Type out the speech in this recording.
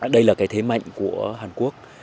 đây là cái thế mạnh của hàn quốc